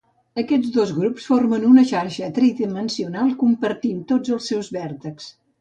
Aquests dos grups formen una xarxa tridimensional compartint tots els seus vèrtexs.